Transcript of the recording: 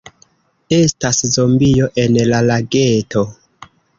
Estas zombio en la lageto.